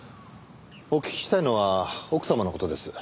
お聞きしたいのは奥様の事です。